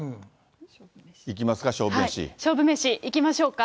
勝負メシ、いきましょうか。